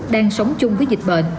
đang sống chung với dịch bệnh